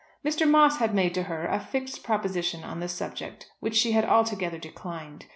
Mr. Moss had made to her a fixed proposition on the subject which she had altogether declined.